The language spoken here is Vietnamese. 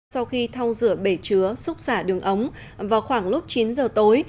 sau khi thau rửa bể chứa xúc xả đường ống vào khoảng lúc chín giờ tối